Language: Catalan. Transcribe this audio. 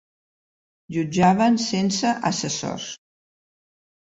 Jutjaven sense assessors.